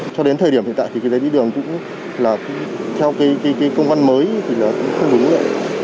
cho đến thời điểm hiện tại thì cái giấy đi đường cũng là theo cái công văn mới thì là cũng không đúng rồi ạ